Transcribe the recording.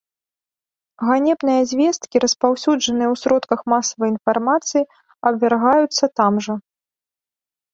Ганебныя звесткі, распаўсюджаныя ў сродках масавай інфармацыі, абвяргаюцца там жа.